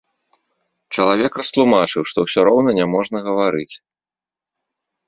Чалавек растлумачыў, што ўсё роўна няможна гаварыць.